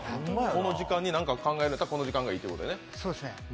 この時間に何か考えられたら、この時間がいいということね。